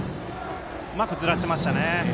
うまくずらしましたね。